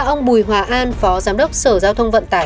ông bùi hòa an phó giám đốc sở giao thông vận tải